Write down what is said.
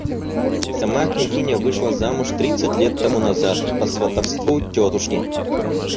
Сама княгиня вышла замуж тридцать лет тому назад, по сватовству тетушки.